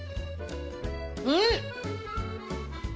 うん！